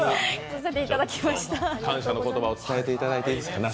感謝の言葉を伝えていただいていいですか。